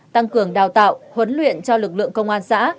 tăng cường đào tạo huấn luyện cho lực lượng công an xã